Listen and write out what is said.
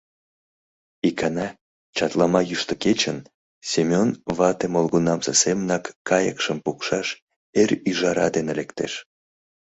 Икана, чатлама йӱштӧ кечын, Семён вате молгунамсе семынак кайыкшым пукшаш эр ӱжара дене лектеш.